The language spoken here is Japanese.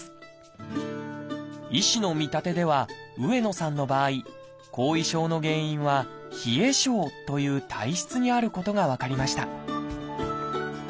医師の見立てでは上野さんの場合後遺症の原因はという体質にあることが分かりました